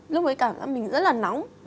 lúc ấy cảm giác mình rất là nóng